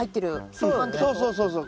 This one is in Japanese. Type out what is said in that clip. そうそうそうそう。